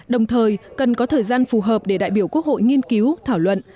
đồng thời cần có thời gian phù hợp để đại biểu quốc hội nghiên cứu thảo luận